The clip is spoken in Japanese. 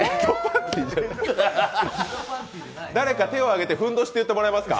誰か手を上げて「ふんどし」って言ってもらえますか？